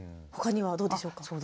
ほかにはどうでしょうか？